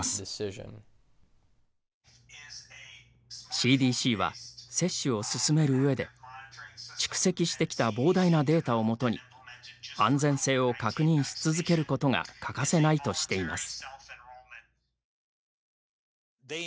ＣＤＣは接種を進める上で蓄積してきた膨大なデータをもとに安全性を確認し続けることが欠かせないとしています。